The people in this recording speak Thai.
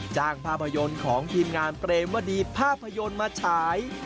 ภาพยนตร์ของทีมงานเปรมวดีภาพยนตร์มาฉาย